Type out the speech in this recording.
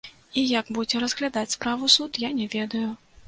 І як будзе разглядаць справу суд, я не ведаю.